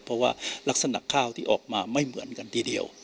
เพราะว่ารักษณะข้าวที่ออกมาไม่เหมือนกันทีเดียว